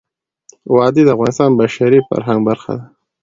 وادي د افغانستان د بشري فرهنګ برخه ده.